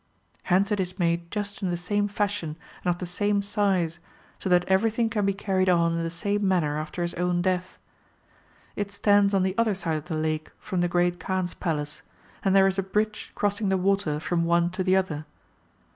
^^ Hence it is made just in the same fashion and of the same size, so that everything can be carried on in the same manner after his own death. [It stands on the other side of the lake from the Great Kaan's Palace, and there is a bridge crossing the water from one to the other.